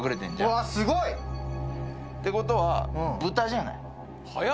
うわすごい。ってことはブタじゃない？